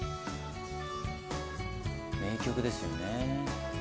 名曲ですよね。